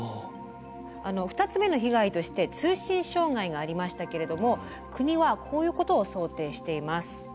２つ目の被害として通信障害がありましたけれども国はこういうことを想定しています。